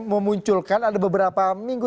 memunculkan ada beberapa minggu